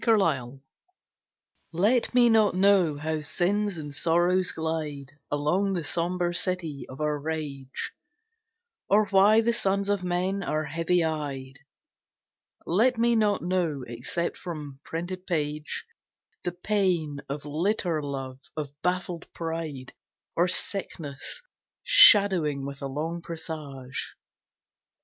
PRAYER Let me not know how sins and sorrows glide Along the sombre city of our rage, Or why the sons of men are heavy eyed. Let me not know, except from printed page, The pain of litter love, of baffled pride, Or sickness shadowing with a long presage.